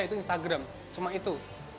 itu instagram cuma itu